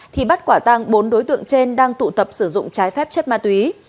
thì bắt quả tăng bốn đối tượng trên đang tụ tập sử dụng trái phép chất ma túy